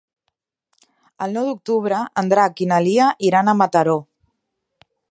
El nou d'octubre en Drac i na Lia iran a Mataró.